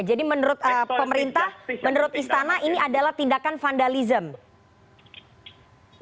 jadi menurut pemerintah menurut istana ini adalah tindakan vandalisme